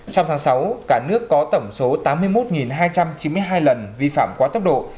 trong tháng sáu cả nước có tổng số tám mươi một hai trăm chín mươi hai lần vi phạm quá tốc độ